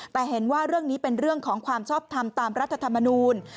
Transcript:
แต่เห็นว่าเรื่องนี้เป็นเรื่องของความชอบทำตามรัฐธรรมนูล